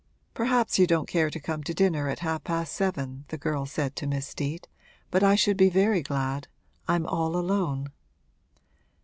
'Perhaps you don't care to come to dinner at half past seven,' the girl said to Miss Steet; 'but I should be very glad I'm all alone.'